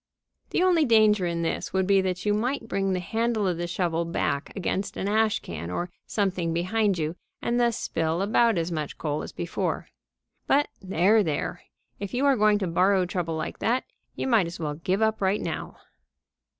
The only danger in this would be that you might bring the handle of the shovel back against an ash can or something behind you and thus spill about as much coal as before. But there, there if you are going to borrow trouble like that, you might as well give up right now.